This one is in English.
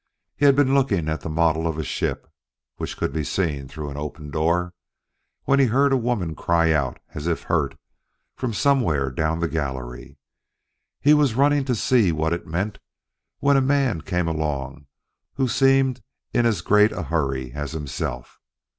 He had been looking at the model of a ship (which could be seen through an open door), when he heard a woman cry out as if hurt, from somewhere down the gallery. He was running to see what it meant when a man came along who seemed in as great a hurry as himself.